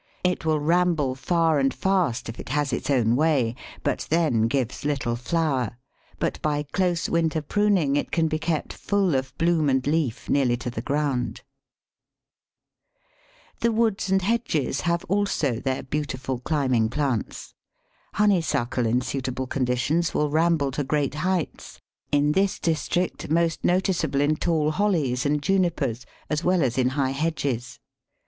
It will ramble far and fast if it has its own way, but then gives little flower; but by close winter pruning it can be kept full of bloom and leaf nearly to the ground. [Illustration: WILD HOP, ENTWINING WORMWOOD AND COW PARSNIP.] The woods and hedges have also their beautiful climbing plants. Honeysuckle in suitable conditions will ramble to great heights in this district most noticeable in tall Hollies and Junipers as well as in high hedges.